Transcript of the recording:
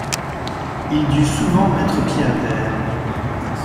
Il dut souvent mettre pied à terre.